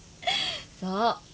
そう。